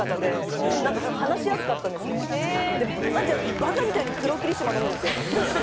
バカみたいに黒霧島飲むんですよ。